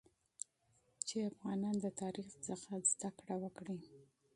چې افغانان د تاریخ څخه زده کړه وکړي